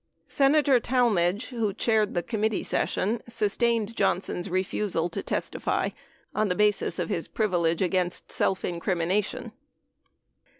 Senator Tal madge, who chaired the committee session, sustained Johnson's refusal to testify on the basis of his privilege against self incrimination.